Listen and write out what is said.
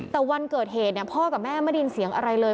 แต่วันเกิดเหตุพ่อกับแม่ไม่ได้ยินเสียงอะไรเลย